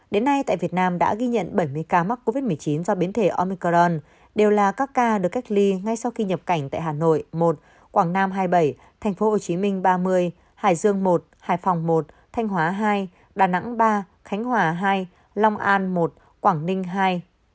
đến nay tại việt nam đã ghi nhận bảy mươi ca mắc covid một mươi chín do biến thể omicron đều là các ca được cách ly ngay sau khi nhập cảnh tại hà nội một quảng nam hai mươi bảy tp hcm ba mươi hải dương một hải phòng một thanh hóa hai đà nẵng ba khánh hòa hai long an một quảng ninh ii